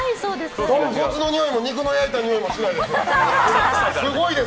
とんこつのにおいも肉の焼いたにおいもしないです。